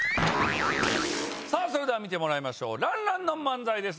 それでは見てもらいましょう爛々の漫才です！